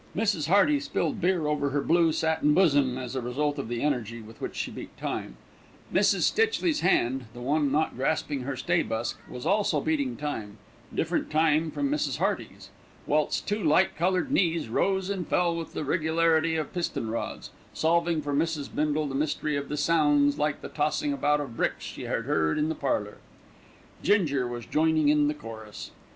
Mrs. Hearty spilled beer over her blue satin bosom, as a result of the energy with which she beat time; Mrs. Stitchley's hand, the one not grasping her stay busk, was also beating time, different time from Mrs. Hearty's, whilst two light coloured knees rose and fell with the regularity of piston rods, solving for Mrs. Bindle the mystery of the sounds like the tossing about of bricks she had heard in the parlour. Ginger was joining in the chorus!